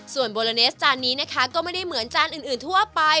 ส่วนโบลาเนสจานนี้นะคะก็ไม่ได้เหมือนจานอื่นทั่วไป